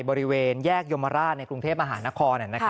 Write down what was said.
บริเวณแยกยมราชในกรุงเทพมหานคร